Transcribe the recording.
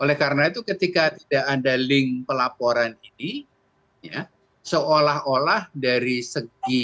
oleh karena itu ketika tidak ada link pelaporan ini seolah olah dari segi